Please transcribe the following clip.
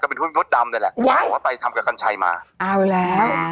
ก็เป็นพูดรถดำนั่นแหละวะบอกว่าไปทำกับกันชัยมาเอาแล้วอ่า